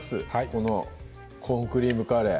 この「コーンクリームカレー」